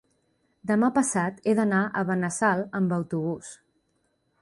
Demà passat he d'anar a Benassal amb autobús.